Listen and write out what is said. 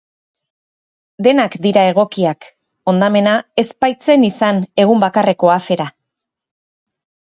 Denak dira egokiak, hondamena ez baitzen izan egun bakarreko afera.